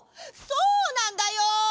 そうなんだよ。